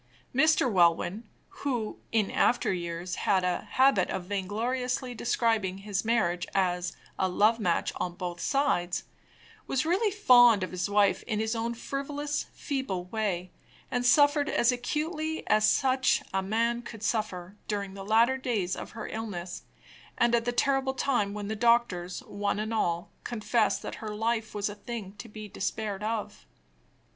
Mr. Welwyn (who, in after years, had a habit of vaingloriously describing his marriage as "a love match on both sides") was really fond of his wife in his own frivolous, feeble way, and suffered as acutely as such a man could suffer, during the latter days of her illness, and at the terrible time when the doctors, one and all, confessed that her life was a thing to be despaired of.